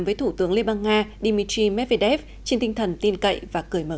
với thủ tướng liên bang nga dmitry medvedev trên tinh thần tin cậy và cởi mở